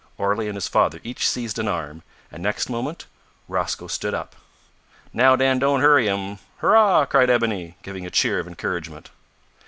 Orley and his father each seized an arm, and next moment Rosco stood up. "Now den, don' hurry him hurrah!" cried Ebony, giving a cheer of encouragement.